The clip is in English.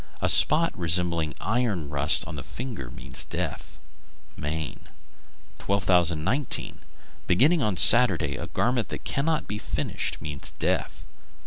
A spot resembling iron rust on the finger means death. Maine. 1219. Beginning on Saturday a garment that cannot be finished means death.